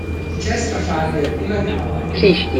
Die Testverfahren werden immer genauer.